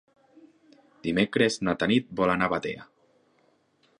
Dimecres na Tanit vol anar a Batea.